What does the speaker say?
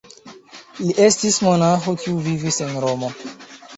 Li estis monaĥo kiu vivis en Romo.